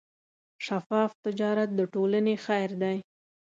شفاف تجارت د ټولنې خیر دی.